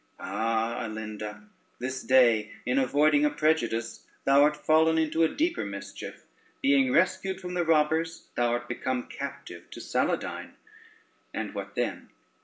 ] "Ah, Alinda, this day in avoiding a prejudice thou art fallen into a deeper mischief; being rescued from the robbers, thou art become captive to Saladyne: and what then?